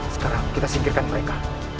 sekarang kita singkirkan mereka